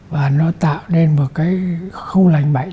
và nó tạo nên một cái không lành mạnh